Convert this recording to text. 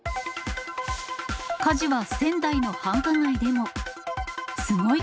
火事は仙台の繁華街でも。